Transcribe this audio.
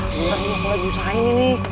bentar ini aku lagi usahain ini